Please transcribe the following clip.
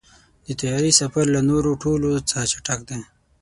د طیارې سفر له نورو ټولو څخه چټک دی.